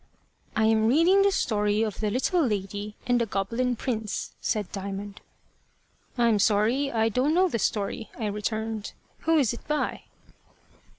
"I am reading the story of the Little Lady and the Goblin Prince," said Diamond. "I am sorry I don't know the story," I returned. "Who is it by?"